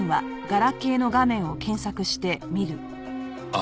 「あ」